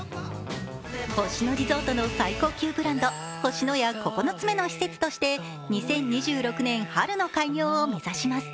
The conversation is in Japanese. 星野リゾートの最高級ブランド・星のや９つ目の施設として２０２６年春の開業を目指します。